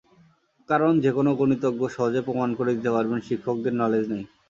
কারণ, যেকোনো গণিতজ্ঞ সহজেই প্রমাণ করে দিতে পারবেন শিক্ষকদের নলেজ নেই।